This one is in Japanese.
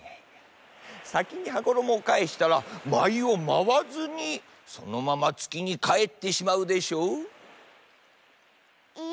さきに羽衣をかえしたらまいをまわずにそのままつきにかえってしまうでしょう？